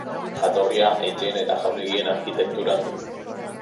Jatorria etxeen eta jauregien arkitekturan du.